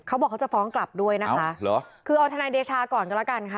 เขาบอกเขาจะฟ้องกลับด้วยนะคะเหรอคือเอาทนายเดชาก่อนก็แล้วกันค่ะ